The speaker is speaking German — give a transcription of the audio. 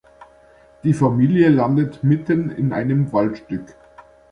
Die Familie landet mitten in einem Waldstück.